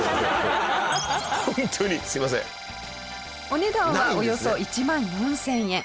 お値段はおよそ１万４０００円。